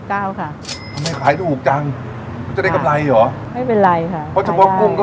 ๙ค่ะทำไมขายลูกจังจะได้ก็ไลหรอไม่เป็นไรค่ะเพราะสมมุติกุ้งก็